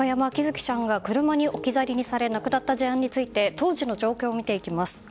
生ちゃんが車に置き去りにされ亡くなった事案について当時の状況を見ていきます。